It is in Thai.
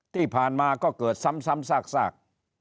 ที่ผ่านมาก็เกิดซ้ำซาก